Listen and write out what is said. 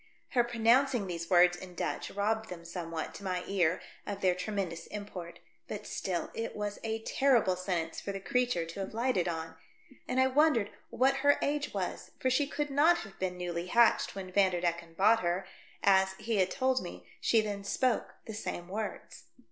Her pronouncing these words in Dutch rob bed them somewhat, to my ear, of their tremendous import, but still it was a terrible sentence for the creature to have lipfhted on, and I wondered what her age was, for she could not have been newly hatched when Vanderdecken bought her, as — he had told me — she then spoke the same words.